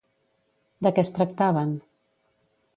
De què es tractaven?